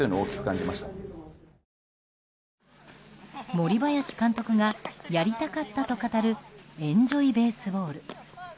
森林監督がやりたかったと語るエンジョイベースボール。